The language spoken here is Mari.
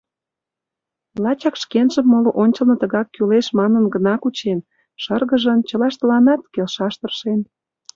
Лачак шкенжым моло ончылно тыгак кӱлеш манын гына кучен, шыргыжын, чылаштланат келшаш тыршен.